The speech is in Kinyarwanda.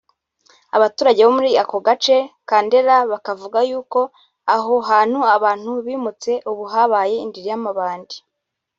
Abaturage muri ako gace ka Ndera bakavuga yuko aho hantu abantu bimutse ubu habaye indiri y’amabandi